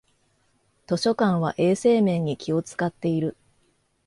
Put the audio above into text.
図書館は衛生面に気をつかっている